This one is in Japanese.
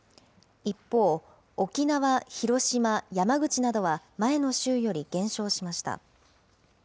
一方、沖縄、広島、山口などは前の週より減少しました。